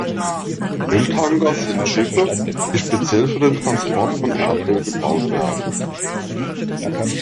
Öltanker sind Schiffe, die speziell für den Transport von Erdöl gebaut werden.